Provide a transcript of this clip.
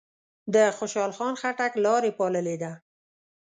د خوشحال خان خټک لار یې پاللې ده.